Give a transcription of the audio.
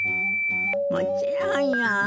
もちろんよ。